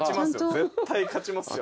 絶対勝ちますよ。